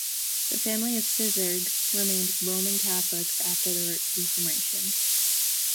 The family at Sizergh remained Roman Catholics after the Reformation.